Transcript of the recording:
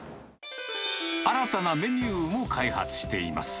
新たなメニューも開発しています。